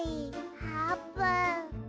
あーぷん。